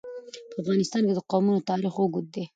په افغانستان کې د قومونه تاریخ اوږد دی.